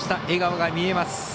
笑顔が見えます。